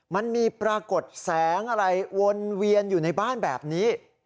มันมีปรากฏแสงอะไรวนเวียนอยู่ในบ้านแบบนี้